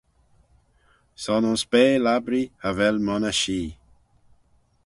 Son ayns bea labbree cha vel monney shee.